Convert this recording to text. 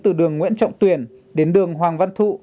từ đường nguyễn trọng tuyển đến đường hoàng văn thụ